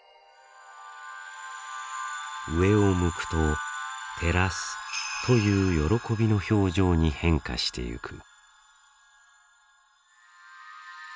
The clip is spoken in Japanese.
上を向くと「照ラス」という喜びの表情に変化していく。